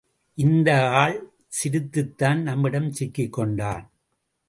இந்த ஆள் சிரித்துத்தான் நம்மிடம் சிக்கிக்கொண்டான்.